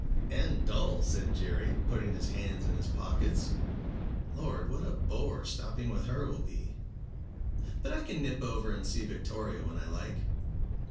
"And dull," said Jerry, putting his hands in his pockets. "Lord! what a bore stopping with her will be. But I can nip over and see Victoria when I like."